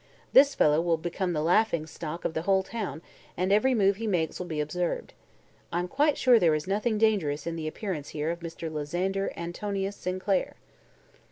This fellow will become the laughing stock of the whole town and every move he makes will be observed. I'm quite sure there is nothing dangerous in the appearance here of Mr. Lysander Antonius Sinclair."